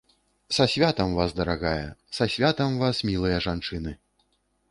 Са святам вас, дарагая, са святам вас, мілыя жанчыны!